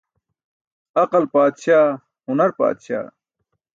Aql paatśaa, hunar paatśaa.